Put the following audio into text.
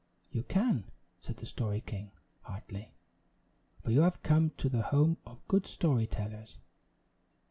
"You can," said the Story King, heartily; "for you have come to the home of good story tellers."